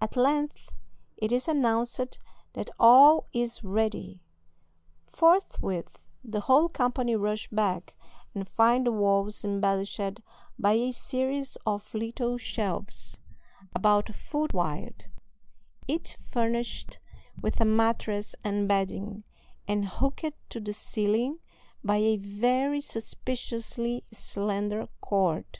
At length it is announced that all is ready. Forthwith the whole company rush back, and find the walls embellished by a series of little shelves, about a foot wide, each furnished with a mattress and bedding, and hooked to the ceiling by a very suspiciously slender cord.